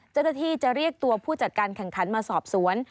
เจ้าหน้าที่จะเรียกตัวผู้จัดการแข่งขันมาสอบสวน